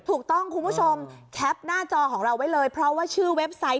คุณผู้ชมแคปหน้าจอของเราไว้เลยเพราะว่าชื่อเว็บไซต์